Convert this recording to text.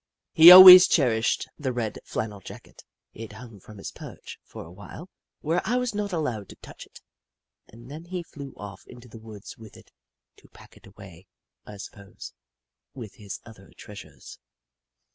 He always cherished the red flannel jacket. It hung from his perch for a while, where I was not allowed to touch it, and then he flew off into the woods with it, to pack it away, I suppose, with his other treasures.